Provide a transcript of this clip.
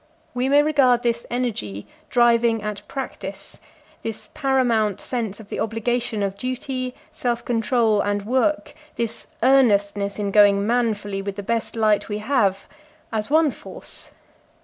We may regard this energy driving at practice, this paramount sense of the obligation of duty, self control, and work, this earnestness in going manfully with the best light we have, as one force.